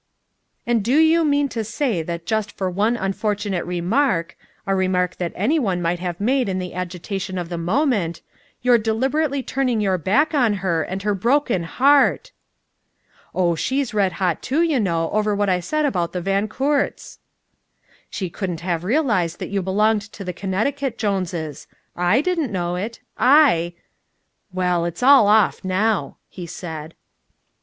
"And do you mean to say that just for one unfortunate remark a remark that any one might have made in the agitation of the moment you're deliberately turning your back on her, and her broken heart!" "Oh, she's red hot, too, you know, over what I said about the Van Coorts." "She couldn't have realized that you belonged to the Connecticut Joneses. I didn't know it. I " "Well, it's all off now," he said.